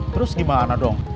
terus gimana dong